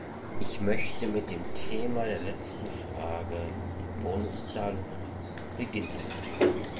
Ich möchte mit dem Thema der letzten Frage, den Bonuszahlungen beginnen.